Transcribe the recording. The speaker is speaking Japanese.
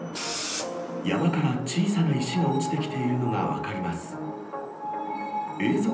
山から小さな石が落ちてきているのが分かります。